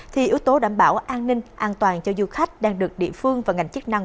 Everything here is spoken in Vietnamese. thì yếu tố đảm bảo an ninh an toàn cho du khách đang được địa phương và ngành chức năng